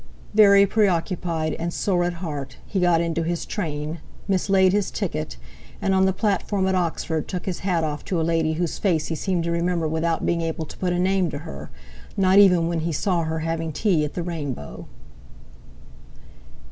Very preoccupied and sore at heart, he got into his train, mislaid his ticket, and on the platform at Oxford took his hat off to a lady whose face he seemed to remember without being able to put a name to her, not even when he saw her having tea at the Rainbow.